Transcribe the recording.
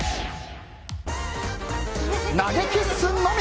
投げキッスのみ。